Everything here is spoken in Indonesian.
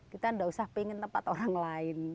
kita tidak usah pengen tempat orang lain